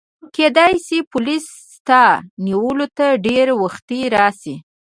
کیدای شي پولیس ستا نیولو ته ډېر وختي راشي.